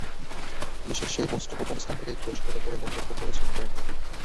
পুলিশের সেই পোস্টে গোপন স্থান থেকে একটু রসিকতা করে মন্তব্য করেছেন ড্যানিয়েল।